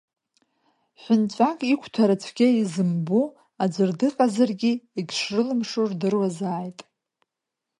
Ҳәынҵәак иқәҭәара цәгьа изымбо аӡәыр дыҟазаргьы егьшрылымшо рдыруазааит.